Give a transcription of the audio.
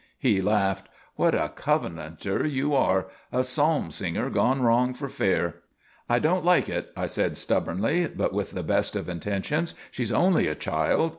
He laughed. "What a Covenanter you are! A psalm singer gone wrong for fair!" "I don't like it," I said, stubbornly, but with the best of intentions. "She's only a child."